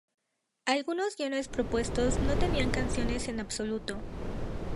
Algunos guiones propuestos no tenían canciones en absoluto.